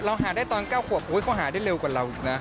หาได้ตอน๙ขวบเขาหาได้เร็วกว่าเราอีกนะ